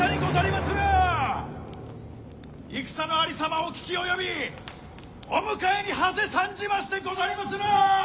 戦のありさまを聞き及びお迎えにはせ参じましてござりまする！